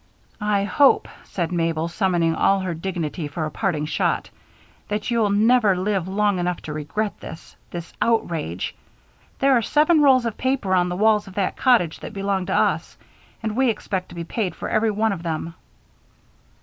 "I hope," said Mabel, summoning all her dignity for a parting shot, "that you'll never live long enough to regret this this outrage. There are seven rolls of paper on the walls of that cottage that belong to us, and we expect to be paid for every one of them."